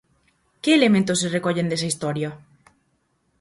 Que elementos se recollen desa historia?